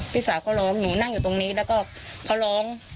พี่สาวเขาร้องหนูนั่งอยู่ตรงนี้แล้วก็เขาร้อง